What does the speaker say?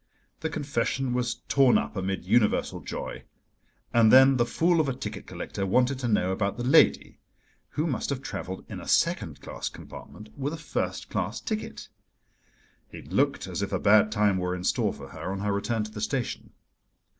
The confession was torn up amid universal joy: and then the fool of a ticket collector wanted to know about the lady—who must have travelled in a second class compartment with a first class ticket. It looked as if a bad time were in store for her on her return to the station.